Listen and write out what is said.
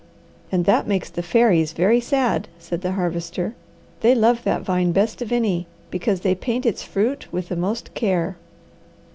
"And that makes the fairies very sad," said the Harvester. "They love that vine best of any, because they paint its fruit with the most care.